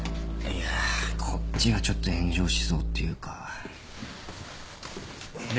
いやこっちがちょっと炎上しそうっていうか。